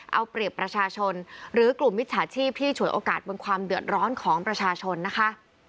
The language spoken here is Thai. เอาเปรียบประชาชนหรือกลุ่มมิจฉาชีพที่ฉวยโอกาสบนความเดือดร้อนของประชาชนนะคะ